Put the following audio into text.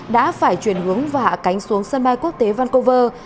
đã phải chuyển hướng và hạ cánh xuống sân bay quốc tế vancov